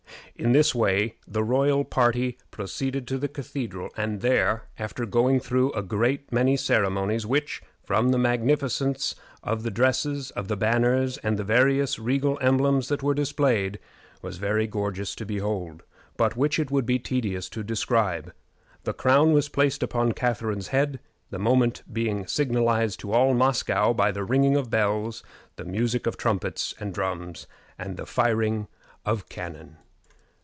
In this way the royal party proceeded to the Cathedral, and there, after going through a great many ceremonies, which, from the magnificence of the dresses, of the banners, and the various regal emblems that were displayed, was very gorgeous to behold, but which it would be tedious to describe, the crown was placed upon Catharine's head, the moment being signalized to all Moscow by the ringing of bells, the music of trumpets and drums, and the firing of cannon.